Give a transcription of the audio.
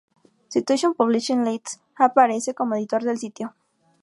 Situation Publishing Ltd, aparece como editor del sitio.